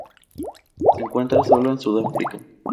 Se encuentra sólo en Sudáfrica.